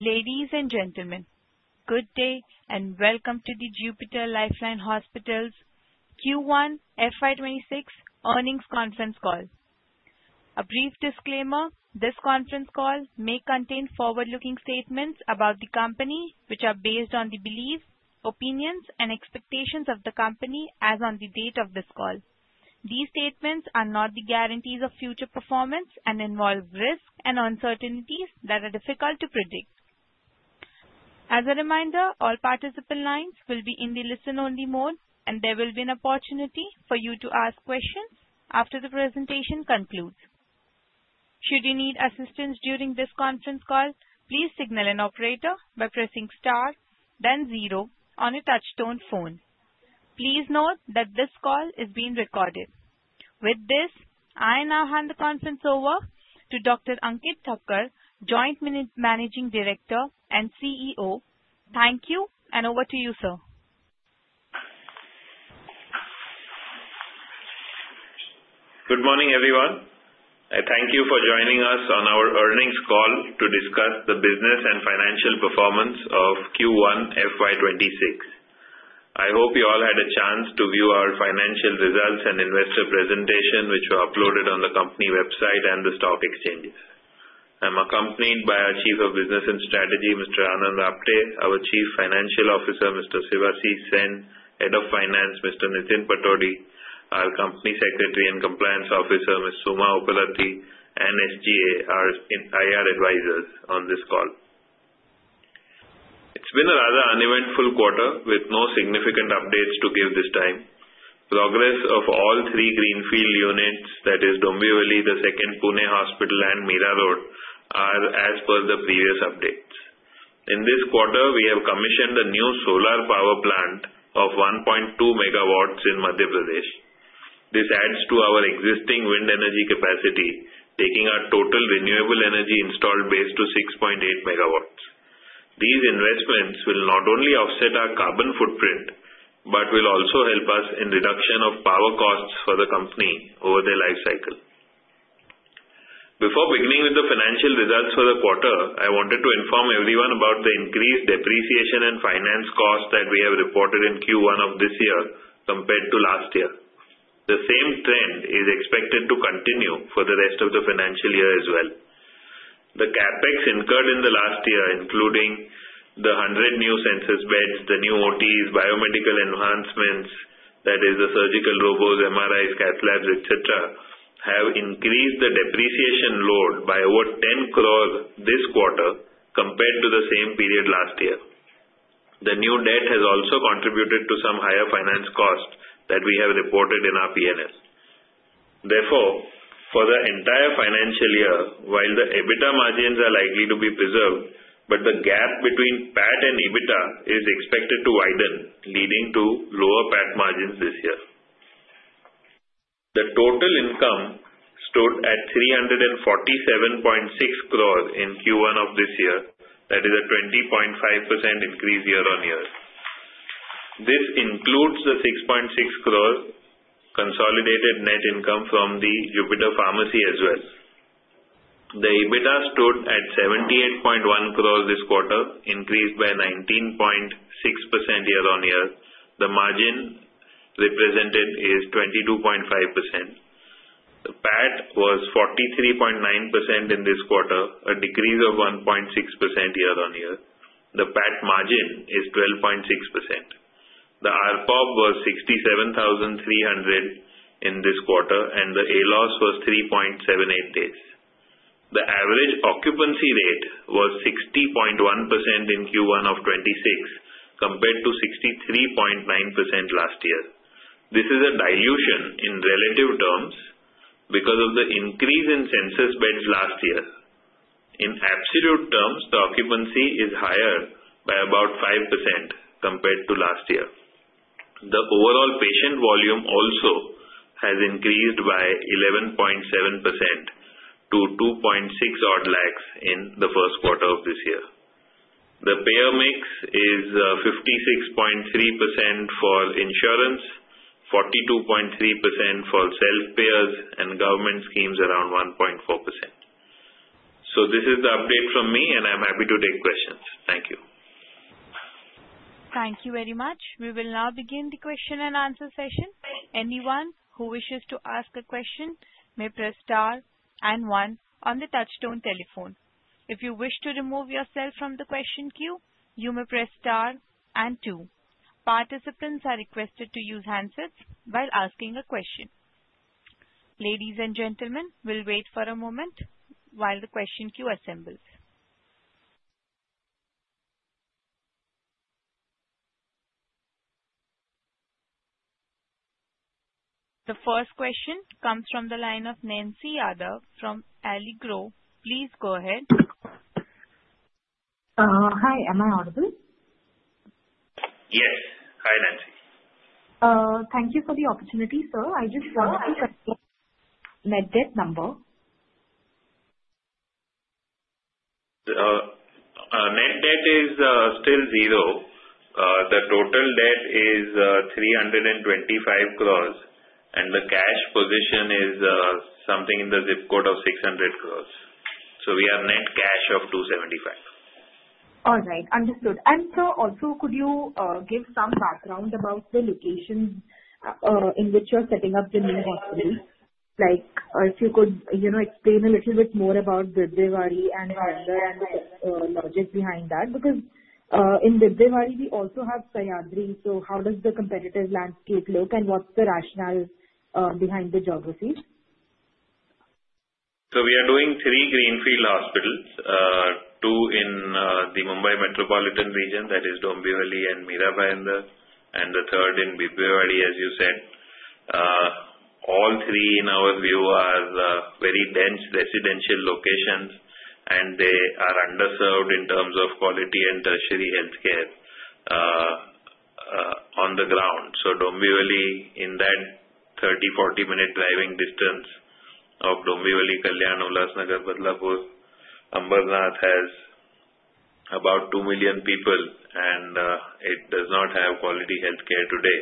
Ladies and gentlemen, good day and welcome to the Jupiter Life Line Hospitals Q1 FY26 Earnings conference call. A brief disclaimer: this conference call may contain forward-looking statements about the company, which are based on the beliefs, opinions, and expectations of the company as of the date of this call. These statements are not the guarantees of future performance and involve risks and uncertainties that are difficult to predict. As a reminder, all participant lines will be in the listen-only mode, and there will be an opportunity for you to ask questions after the presentation concludes. Should you need assistance during this conference call, please signal an operator by pressing star, then zero on a touch-tone phone. Please note that this call is being recorded. With this, I now hand the conference over to Dr. Ankit Thakker, Joint Managing Director and CEO. Thank you, and over to you, sir. Good morning, everyone. Thank you for joining us on our earnings call to discuss the business and financial performance of Q1 FY26. I hope you all had a chance to view our financial results and investor presentation, which were uploaded on the company website and the stock exchanges. I'm accompanied by our Chief of Business and Strategy, Mr. Anand Apte, our Chief Financial Officer, Mr. Sivasis Sen, Head of Finance, Mr. Nitin Patodi, our Company Secretary and Compliance Officer, Ms. Suma Upparatti, and SGA, our IR Advisors on this call. It's been a rather uneventful quarter with no significant updates to give this time. Progress of all three greenfield units, that is, Dombivli, the second Pune Hospital, and Mira Road, are as per the previous updates. In this quarter, we have commissioned a new solar power plant of 1.2 MW in Madhya Pradesh. This adds to our existing wind energy capacity, taking our total renewable energy installed base to 6.8 MW. These investments will not only offset our carbon footprint but will also help us in reduction of power costs for the company over the life cycle. Before beginning with the financial results for the quarter, I wanted to inform everyone about the increased depreciation and finance costs that we have reported in Q1 of this year compared to last year. The same trend is expected to continue for the rest of the financial year as well. The CapEx incurred in the last year, including the 100 new census beds, the new OTs, biomedical enhancements, that is, the surgical robots, MRIs, cath labs, etc., have increased the depreciation load by over 10 crores this quarter compared to the same period last year. The new debt has also contributed to some higher finance costs that we have reported in our P&L. Therefore, for the entire financial year, while the EBITDA margins are likely to be preserved, the gap between PAT and EBITDA is expected to widen, leading to lower PAT margins this year. The total income stood at 347.6 crores in Q1 of this year, that is, a 20.5% increase year-on-year. This includes the 6.6 crores consolidated net income from the Jupiter Pharmacy as well. The EBITDA stood at 78.1 crores this quarter, increased by 19.6% year-on-year. The margin represented is 22.5%. The PAT was 43.9 crores in this quarter, a decrease of 1.6% year-on-year. The PAT margin is 12.6%. The ARPOB was 67,300 in this quarter, and the ALOS was 3.78 days. The average occupancy rate was 60.1% in Q1 of 2026 compared to 63.9% last year. This is a dilution in relative terms because of the increase in census beds last year. In absolute terms, the occupancy is higher by about 5% compared to last year. The overall patient volume also has increased by 11.7% to 2.6-odd lakhs in the first quarter of this year. The payer mix is 56.3% for insurance, 42.3% for self-payers, and government schemes around 1.4%. So this is the update from me, and I'm happy to take questions. Thank you. Thank you very much. We will now begin the question and answer session. Anyone who wishes to ask a question may press star and one on the touch-tone telephone. If you wish to remove yourself from the question queue, you may press star and two. Participants are requested to use handsets while asking a question. Ladies and gentlemen, we'll wait for a moment while the question queue assembles. The first question comes from the line of Nancy Yadav from Allegro. Please go ahead. Hi. Am I audible? Yes. Hi, Nancy. Thank you for the opportunity, sir. I just wanted to confirm net debt number? Net debt is still zero. The total debt is 325 crores, and the cash position is something in the zip code of 600 crores. So we have net cash of 275 crores. All right. Understood. And sir, also, could you give some background about the location in which you're setting up the new hospital? If you could explain a little bit more about Bibwewadi and the logic behind that. Because in Bibwewadi, we also have Sahyadri, so how does the competitive landscape look, and what's the rationale behind the geography? We are doing three greenfield hospitals, two in the Mumbai Metropolitan Region, that is, Dombivli and Mira-Bhayandar, and the third in Bibwewadi, as you said. All three, in our view, are very dense residential locations, and they are underserved in terms of quality and tertiary healthcare on the ground. Dombivli, in that 30-40-minute driving distance of Dombivli, Kalyan, Ulhasnagar, Badlapur, Ambernath has about 2 million people, and it does not have quality healthcare today.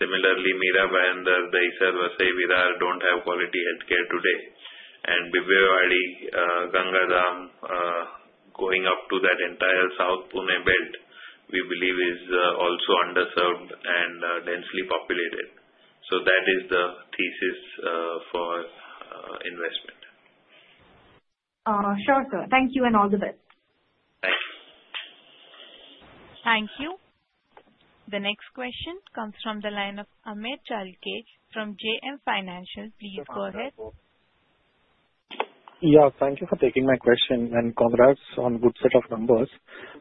Similarly, Mira-Bhayandar, Dahisar, Vasai-Virar don't have quality healthcare today. Bibwewadi, Ganga Dham, going up to that entire South Pune belt, we believe, is also underserved and densely populated. That is the thesis for investment. Sure, sir. Thank you, and all the best. Thanks. Thank you. The next question comes from the line of Amey Chalke from JM Financial. Please go ahead. Yeah. Thank you for taking my question, and congrats on a good set of numbers.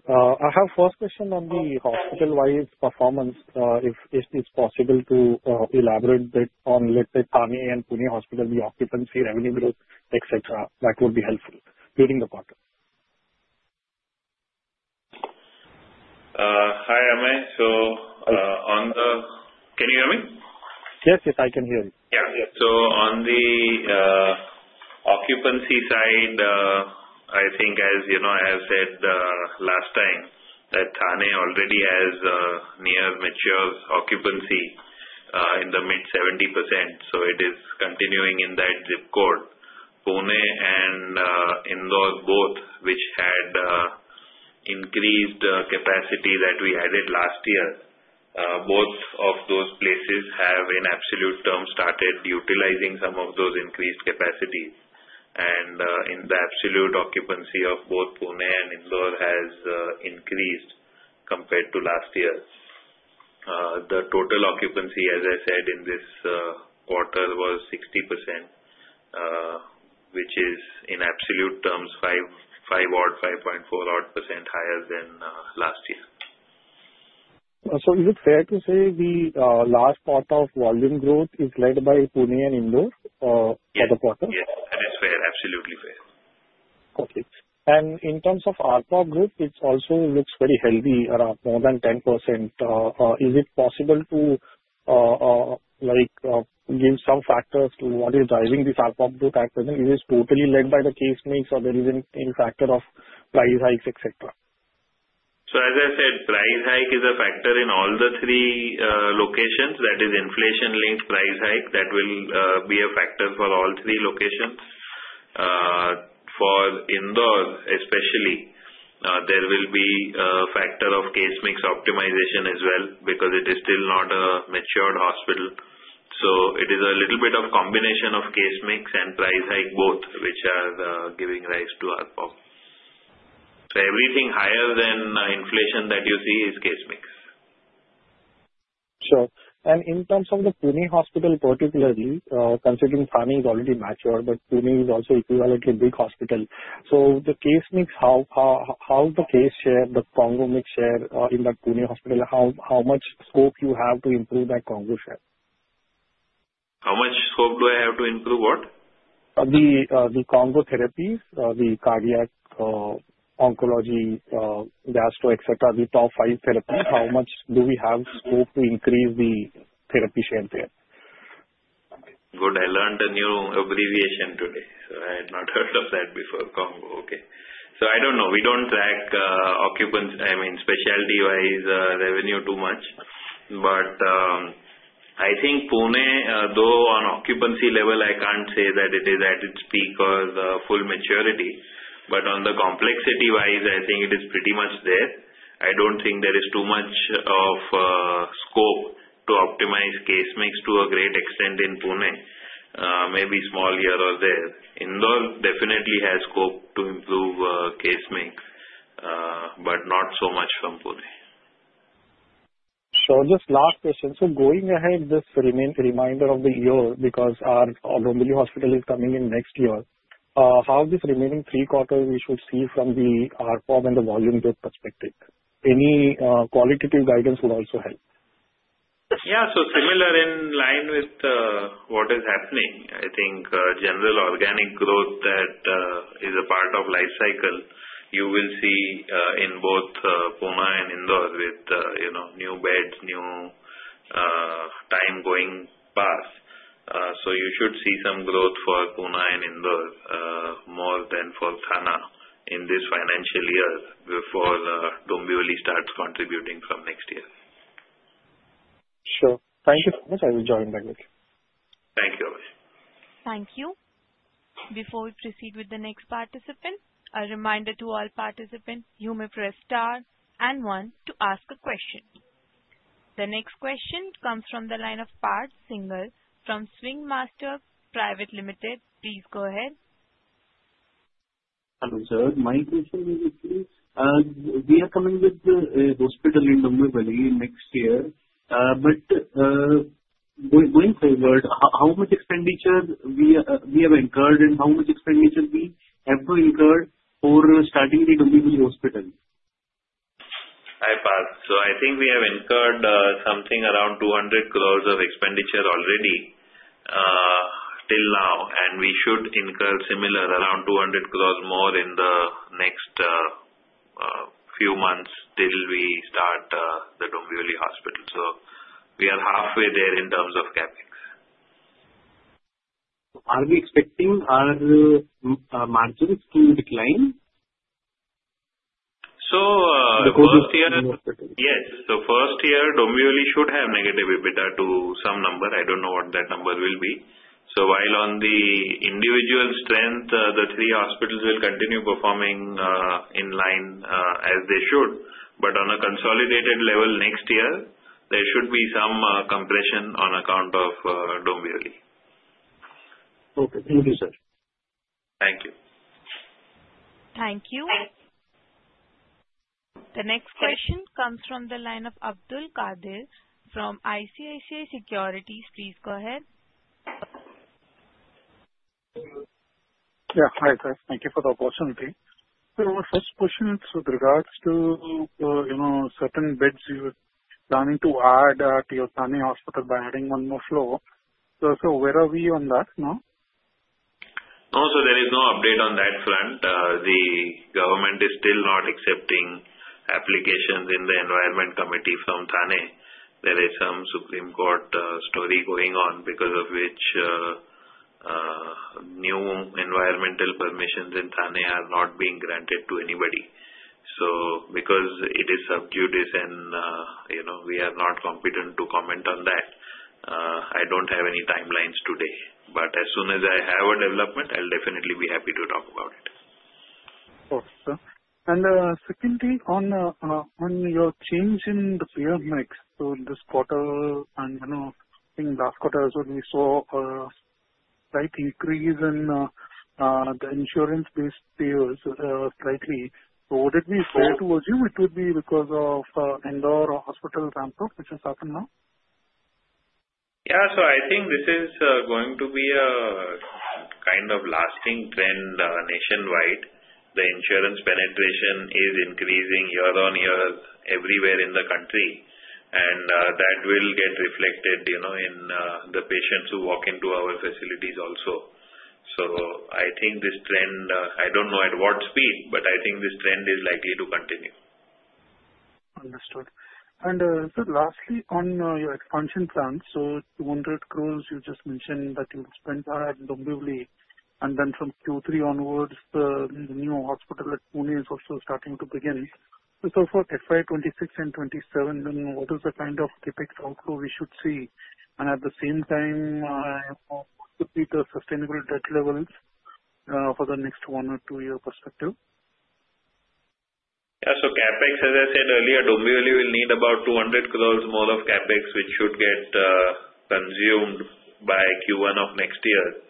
I have a first question on the hospital-wide performance. If it's possible to elaborate a bit on, let's say, Thane and Pune Hospital, the occupancy, revenue growth, etc., that would be helpful during the quarter? Hi, Amey. So can you hear me? Yes, yes, I can hear you. Yeah, yeah. So on the occupancy side, I think, as I have said last time, that Thane already has near-mature occupancy in the mid-70%. So it is continuing in that zip code. Pune and Indore both, which had increased capacity that we added last year, both of those places have, in absolute terms, started utilizing some of those increased capacities. And the absolute occupancy of both Pune and Indore has increased compared to last year. The total occupancy, as I said, in this quarter was 60%, which is, in absolute terms, 5-odd, 5.4-odd% higher than last year. So is it fair to say the last part of volume growth is led by Pune and Indore for the quarter? Yes, that is fair. Absolutely fair. Okay. And in terms of ARPOB growth, it also looks very healthy, around more than 10%. Is it possible to give some factors to what is driving this ARPOB growth at present? Is it totally led by the case mix, or there is any factor of price hikes, etc.? So as I said, price hike is a factor in all the three locations. That is, inflation-linked price hike that will be a factor for all three locations. For Indore, especially, there will be a factor of case mix optimization as well because it is still not a matured hospital. So it is a little bit of combination of case mix and price hike both, which are giving rise to ARPOB. So everything higher than inflation that you see is case mix. Sure. And in terms of the Pune Hospital, particularly, considering Thane is already mature, but Pune is also equivalently a big hospital. So the case mix, how the case share, the CONGO mix share in that Pune Hospital, how much scope you have to improve that CONGO share? How much scope do I have to improve what? The CONGO therapies, the cardiac, oncology, gastro, etc., the top five therapies, how much do we have scope to increase the therapy share there? Good. I learned a new abbreviation today. So I had not heard of that before, CONGO. Okay. So I don't know. We don't track occupancy, I mean, specialty-wise, revenue too much. But I think Pune, though, on occupancy level, I can't say that it is at its peak or the full maturity. But on the complexity-wise, I think it is pretty much there. I don't think there is too much scope to optimize case mix to a great extent in Pune, maybe small tweaks here or there. Indore definitely has scope to improve case mix, but not so much from Pune. Just last question. Going ahead with this remainder of the year, because our Dombivli Hospital is coming in next year, how this remaining three quarters we should see from the ARPOB and the volume growth perspective? Any qualitative guidance would also help. Yeah, so similar in line with what is happening, I think general organic growth that is a part of life cycle, you will see in both Pune and Indore with new beds, new time going past. You should see some growth for Pune and Indore more than for Thane in this financial year before Dombivli starts contributing from next year. Sure. Thank you so much. I will join back with you. Thank you very much. Thank you. Before we proceed with the next participant, a reminder to all participants, you may press star and one to ask a question. The next question comes from the line of Parth Singhal from SwingMaster Private Limited. Please go ahead. Hello, sir. My question is, please, we are coming with a hospital in Dombivli next year. But going forward, how much expenditure we have incurred and how much expenditure we have to incur for starting the Dombivli Hospital? Hi, Parth. So I think we have incurred something around 200 crores of expenditure already till now, and we should incur similar, around 200 crores more in the next few months till we start the Dombivli Hospital. So we are halfway there in terms of CapEx. Are we expecting our margins to decline? So the first year, yes. So first year, Dombivli should have negative EBITDA to some number. I don't know what that number will be. So while on the individual strength, the three hospitals will continue performing in line as they should. But on a consolidated level next year, there should be some compression on account of Dombivli. Okay. Thank you, sir. Thank you. Thank you. The next question comes from the line of Abdul Qadir from ICICI Securities. Please go ahead. Yeah. Hi, sir. Thank you for the opportunity. So our first question is with regards to certain beds you were planning to add to your Thane Hospital by adding one more floor. So where are we on that now? No, so there is no update on that front. The government is still not accepting applications in the Environment Committee from Thane. There is some Supreme Court story going on because of which new environmental permissions in Thane are not being granted to anybody. So because it is sub judice, and we are not competent to comment on that, I don't have any timelines today. But as soon as I have a development, I'll definitely be happy to talk about it. Okay, sir. And secondly, on your change in the payor mix, so this quarter, and I think last quarter as well, we saw a slight increase in the insurance-based payers slightly. So would it be fair to assume it would be because of Indore Hospital ramp-up, which has happened now? Yeah. So I think this is going to be a kind of lasting trend nationwide. The insurance penetration is increasing year on year, everywhere in the country. And that will get reflected in the patients who walk into our facilities also. So I think this trend. I don't know at what speed, but I think this trend is likely to continue. Understood. Sir, lastly, on your expansion plans, so 200 crores, you just mentioned that you'll expand at Dombivli. And then from Q3 onwards, the new hospital at Pune is also starting to begin. So for FY 2026 and 2027, then what is the kind of CapEx outflow we should see? And at the same time, what would be the sustainable debt levels for the next one or two-year perspective? Yeah. So CapEx, as I said earlier, Dombivli will need about 200 crores more of CapEx, which should get consumed by Q1 of next year.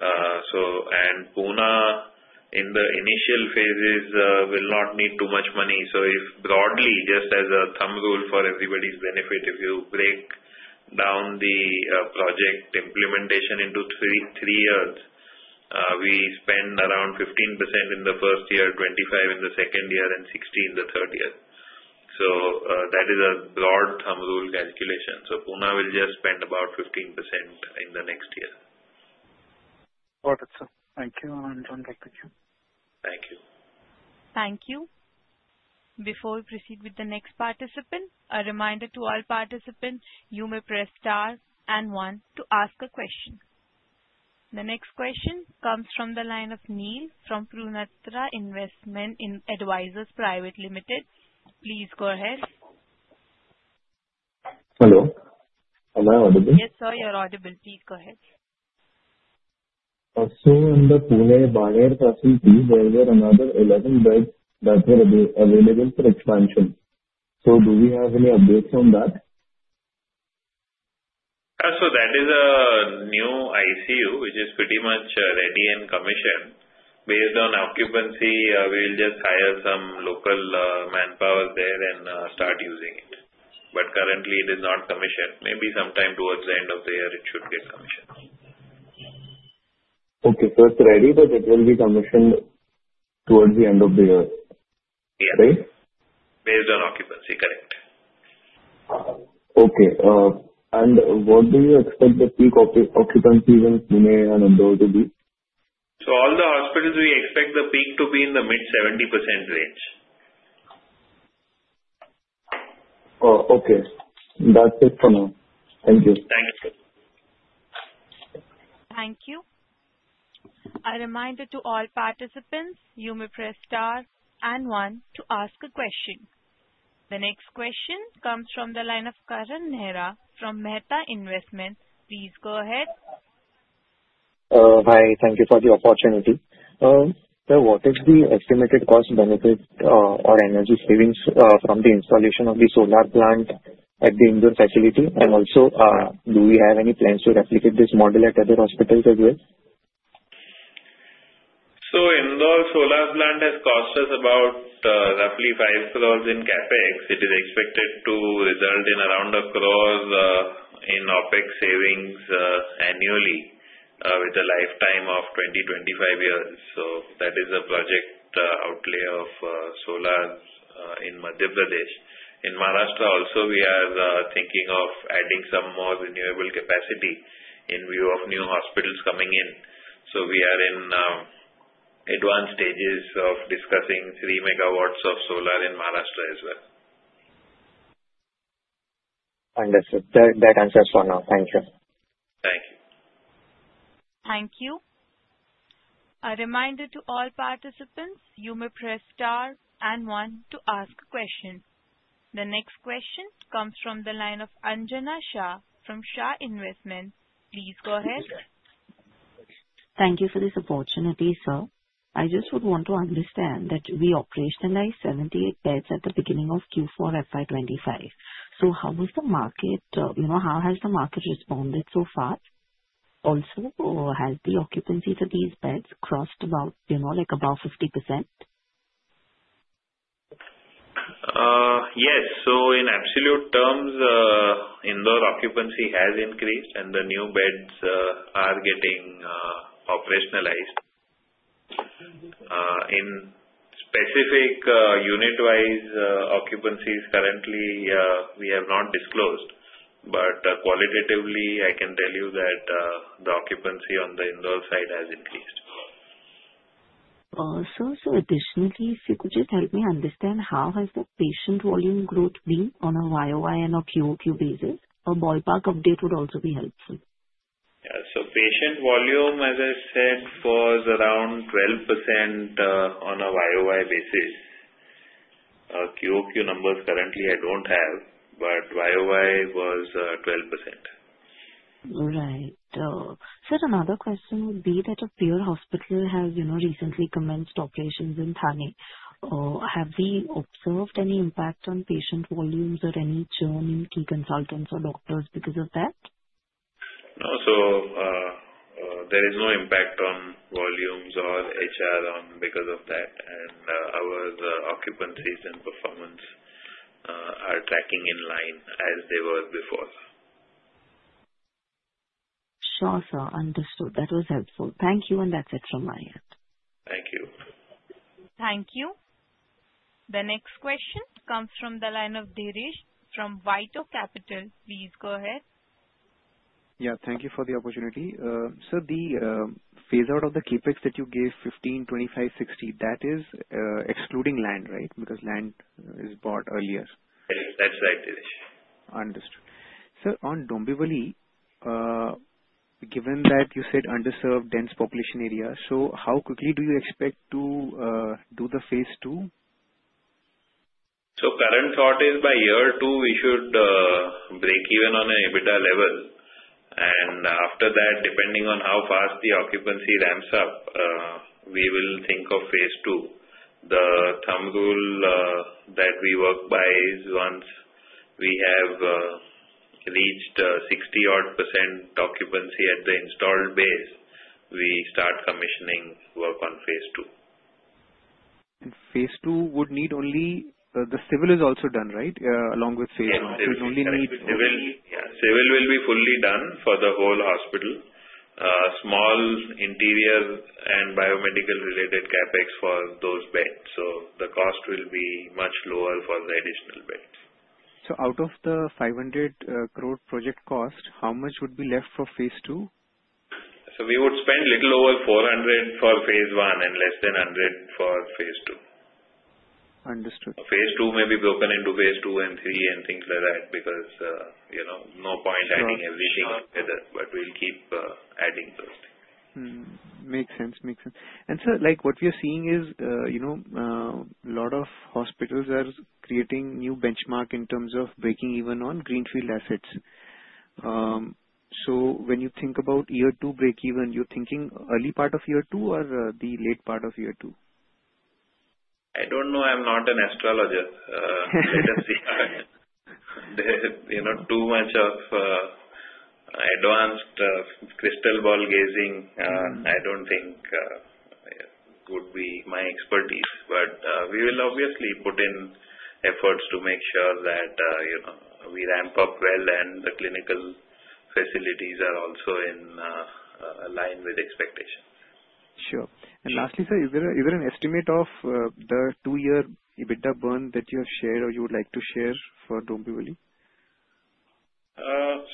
And Pune, in the initial phases, will not need too much money. So if broadly, just as a thumb rule for everybody's benefit, if you break down the project implementation into three years, we spend around 15% in the first year, 25% in the second year, and 60% in the third year. So that is a broad thumb rule calculation. So Pune will just spend about 15% in the next year. Got it, sir. Thank you, and I'll join back with you. Thank you. Thank you. Before we proceed with the next participant, a reminder to all participants, you may press star and one to ask a question. The next question comes from the line of Neel Shah from Purnartha Investment Advisers Private Limited. Please go ahead. Hello? Am I audible? Yes, sir, you're audible. Please go ahead. So in the Pune-Baner facility, there were another 11 beds that were available for expansion. So do we have any updates on that? So that is a new ICU, which is pretty much ready and commissioned. Based on occupancy, we'll just hire some local manpower there and start using it. But currently, it is not commissioned. Maybe sometime towards the end of the year, it should get commissioned. Okay, so it's ready, but it will be commissioned toward the end of the year, right? Based on occupancy, correct. Okay. And what do you expect the peak occupancy in Pune and Indore to be? All the hospitals, we expect the peak to be in the mid 70% range. Oh, okay. That's it for now. Thank you. Thank you, sir. Thank you. A reminder to all participants, you may press star and one to ask a question. The next question comes from the line of Karan Mehra from Mehta Equities. Please go ahead. Hi. Thank you for the opportunity. Sir, what is the estimated cost-benefit or energy savings from the installation of the solar plant at the Indore facility? And also, do we have any plans to replicate this model at other hospitals as well? So Indore solar plant has cost us about roughly 5 crores in CapEx. It is expected to result in around a crore in OpEx savings annually with a lifetime of 20 years-25 years. So that is a project outlay of solar in Madhya Pradesh. In Maharashtra also, we are thinking of adding some more renewable capacity in view of new hospitals coming in. So we are in advanced stages of discussing 3 MW of solar in Maharashtra as well. Understood. That answers for now. Thank you. Thank you. Thank you. A reminder to all participants, you may press star and one to ask a question. The next question comes from the line of Anjana Shah from Shah Investments. Please go ahead. Thank you for this opportunity, sir. I just would want to understand that we operationalized 78 beds at the beginning of Q4 FY 2025. So how has the market responded so far? Also, has the occupancy to these beds crossed about 50%? Yes, so in absolute terms, Indore occupancy has increased, and the new beds are getting operationalized. In specific unit-wise occupancies, currently, we have not disclosed. But qualitatively, I can tell you that the occupancy on the Indore side has increased. Also, sir, additionally, if you could just help me understand, how has the patient volume growth been on a YoY and a QoQ basis? A ballpark update would also be helpful. Yeah. So patient volume, as I said, was around 12% on a YoY basis. QoQ numbers currently I don't have, but YoY was 12%. Right. Sir, another question would be that a peer hospital has recently commenced operations in Thane. Have they observed any impact on patient volumes or any churn in key consultants or doctors because of that? No, so there is no impact on volumes or HR because of that, and our occupancies and performance are tracking in line as they were before. Sure, sir. Understood. That was helpful. Thank you. And that's it from my end. Thank you. Thank you. The next question comes from the line of Dheeresh Pathak from WhiteOak Capital. Please go ahead. Yeah. Thank you for the opportunity. Sir, the phase-out of the CapEx that you gave, 15%, 25%, 60%, that is excluding land, right? Because land is bought earlier. That's right, Dheeresh. Understood. Sir, on Dombivli, given that you said underserved, dense population area, so how quickly do you expect to do the phase 2? Current thought is by year two, we should break even on an EBITDA level. After that, depending on how fast the occupancy ramps up, we will think of phase two. The thumb rule that we work by is once we have reached 60-odd% occupancy at the installed base, we start commissioning work on phase two. And phase 2 would need only the civil is also done, right? Along with phase 1. It would only need. Yeah. Civil will be fully done for the whole hospital. Small interior and biomedical-related CapEx for those beds. So the cost will be much lower for the additional beds. So out of the 500 crore project cost, how much would be left for phase 2? So we would spend a little over 400 for phase 1 and less than 100 for phase 2. Understood. Phase 2 may be broken into phase 2 and 3 and things like that because no point adding everything together. But we'll keep adding those things. Makes sense. Makes sense. And sir, what we are seeing is a lot of hospitals are creating new benchmark in terms of breaking even on greenfield assets. So when you think about year two break even, you're thinking early part of year two or the late part of year two? I don't know. I'm not an astrologer. Let us see. Too much of advanced crystal ball gazing, I don't think, would be my expertise. But we will obviously put in efforts to make sure that we ramp up well and the clinical facilities are also in line with expectations. Sure. And lastly, sir, is there an estimate of the two-year EBITDA burn that you have shared or you would like to share for Dombivli?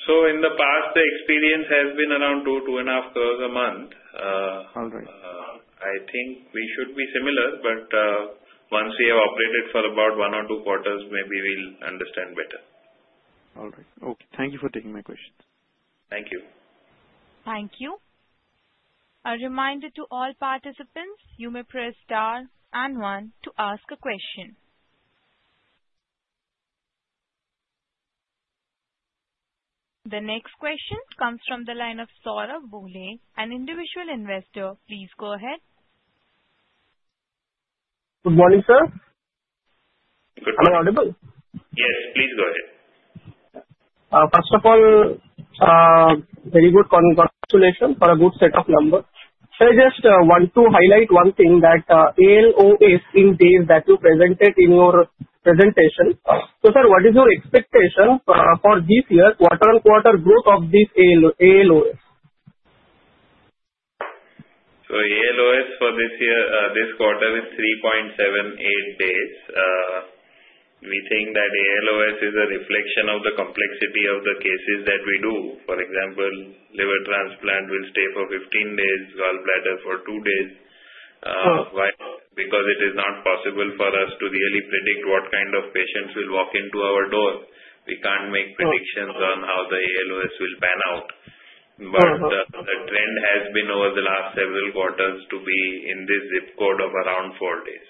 So in the past, the experience has been around 2 crores-2.5 crores a month. All right. I think we should be similar. But once we have operated for about one or two quarters, maybe we'll understand better. All right. Okay. Thank you for taking my question. Thank you. Thank you. A reminder to all participants, you may press star and one to ask a question. The next question comes from the line of Saurabh Bhole, an individual investor. Please go ahead. Good morning, sir. Good morning. Am I audible? Yes. Please go ahead. First of all, very good. Congratulations for a good set of numbers. Sir, just want to highlight one thing that ALOS in days that you presented in your presentation. So sir, what is your expectation for this year, quarter-on-quarter growth of this ALOS? ALOS for this quarter is 3.78 days. We think that ALOS is a reflection of the complexity of the cases that we do. For example, liver transplant will stay for 15 days, gallbladder for two days. Because it is not possible for us to really predict what kind of patients will walk into our door, we can't make predictions on how the ALOS will pan out. The trend has been over the last several quarters to be in this zip code of around four days.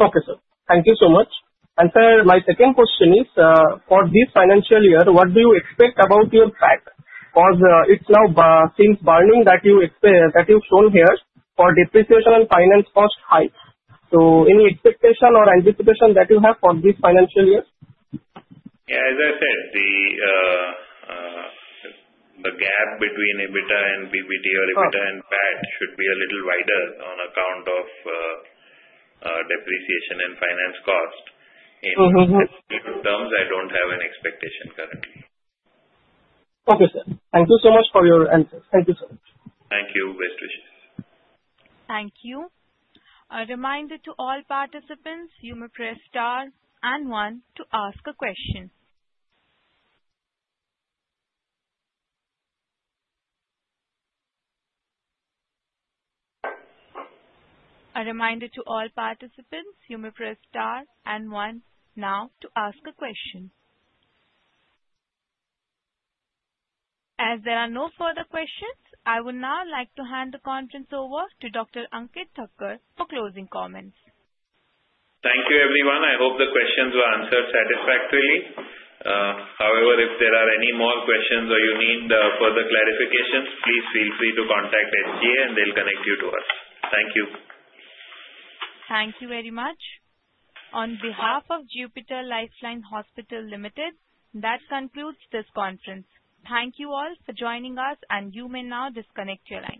Okay, sir. Thank you so much. And sir, my second question is, for this financial year, what do you expect about your PAT? Because it now seems burdening that you've shown here for depreciation and finance cost hikes. So any expectation or anticipation that you have for this financial year? Yeah. As I said, the gap between EBITDA and PBT or EBITDA and PAT should be a little wider on account of depreciation and finance cost. In terms, I don't have an expectation currently. Okay, sir. Thank you so much for your answers. Thank you so much. Thank you. Best wishes. Thank you. A reminder to all participants, you may press star and one to ask a question. A reminder to all participants, you may press star and one now to ask a question. As there are no further questions, I would now like to hand the conference over to Dr. Ankit Thakker for closing comments. Thank you, everyone. I hope the questions were answered satisfactorily. However, if there are any more questions or you need further clarifications, please feel free to contact SGA, and they'll connect you to us. Thank you. Thank you very much. On behalf of Jupiter Life Line Hospitals Limited, that concludes this conference. Thank you all for joining us, and you may now disconnect your line.